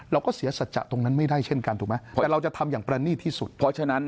เราก็เสียสัจจะตรงนั้นไม่ได้เช่นกันถูกไหม